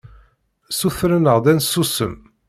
Ssutren-aɣ-d ad nsusem.